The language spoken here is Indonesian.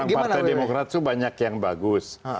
yang partai demokrat itu banyak yang bagus